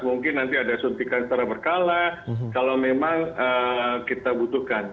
mungkin nanti ada suntikan secara berkala kalau memang kita butuhkan